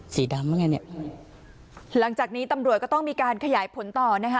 สีดำแล้วไงเนี่ยหลังจากนี้ตำรวจก็ต้องมีการขยายผลต่อนะคะ